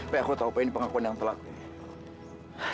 peh aku tau peh ini pengakuan yang telakui